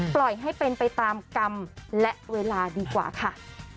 ปล่อยให้เป็นไปตามกรรมและเวลาดีกว่าค่ะ